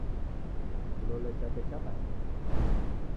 Kilole chake chabarika.